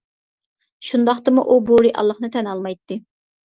شۇنداقتىمۇ ئۇ بۇ رېئاللىقنى تەن ئالمايتتى.